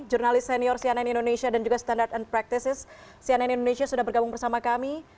jurnalis senior cnn indonesia dan juga standard and practices cnn indonesia sudah bergabung bersama kami